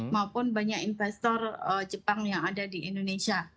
maupun banyak investor jepang yang ada di indonesia